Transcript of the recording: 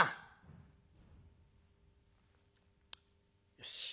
よし。